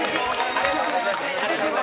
ありがとうございます。